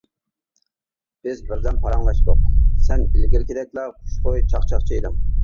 بىز بىردەم پاراڭلاشتۇق، سەن ئىلگىرىكىدەكلا خۇشخۇي، چاقچاقچى ئىدىڭ.